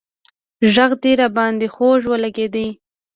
غږ دې راباندې خوږ ولگېد